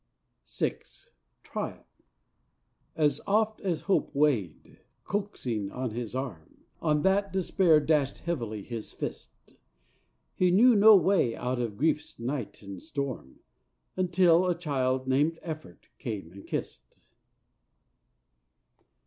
VI Trial As oft as Hope weighed, coaxing, on this arm, On that Despair dashed heavily his fist: He knew no way out of Grief's night and storm, Until a child, named Effort, came and kissed.